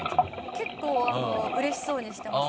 結構うれしそうにしてます